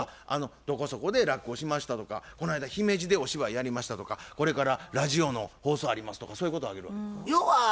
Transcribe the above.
どこそこで落語しましたとかこないだ姫路でお芝居やりましたとかこれからラジオの放送ありますとかそういうことを上げるわけでございます。